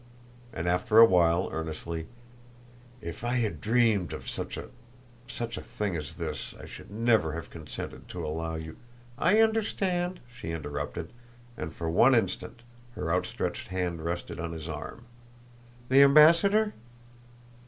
And after a while, earnestly: "If I had dreamed of such a such a thing as this I should never have consented to allow you " "I understand," she interrupted, and for one instant her outstretched hand rested on his arm. "The ambassador?"